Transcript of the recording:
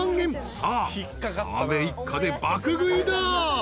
［さあ澤部一家で爆食いだ］